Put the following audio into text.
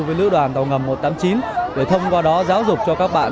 với lữ đoàn tàu ngầm một trăm tám mươi chín để thông qua đó giáo dục cho các bạn